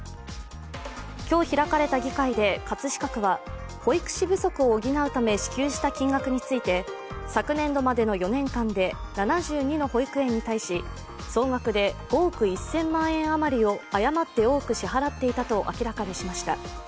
今日開かれた議会で葛飾区は、保育士不足を補うため支給した金額について昨年度までの４年間で７２の保育園に対し、総額で５億１０００万円あまりを誤って多く支払っていたと明らかにしました。